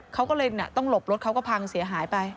เขาก็เลยต้องหลบรถเขาก็พังเสียหายไป